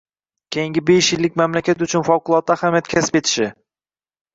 Keyingi besh yillik mamlakat uchun favqulodda ahamiyat kasb etishini